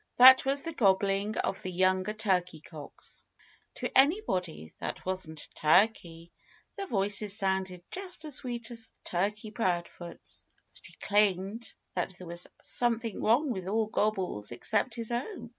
That was the gobbling of the younger turkey cocks. To anybody that wasn't a turkey, their voices sounded just as sweet as Turkey Proudfoot's. But he claimed that there was something wrong with all gobbles except his own.